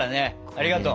ありがとう！